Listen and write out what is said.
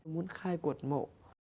muốn khai cuộc mộ